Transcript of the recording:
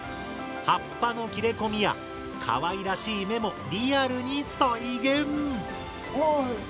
葉っぱの切れ込みやかわいらしい目もリアルに再現。